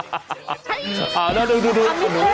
อ๋อน้องน้องนาดูทำมิแฟน